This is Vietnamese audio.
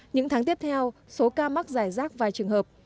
những tháng tiếp theo số ca mắc giải rác vài trường hợp